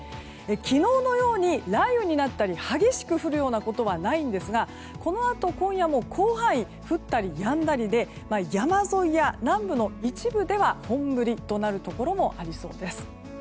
昨日のように雷雨になったり激しく降るようなことはないんですがこのあと今夜も広範囲で降ったりやんだりで山沿いや南部の一部では本降りとなるところもありそうです。